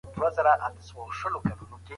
مرګ یو حقیقت دی.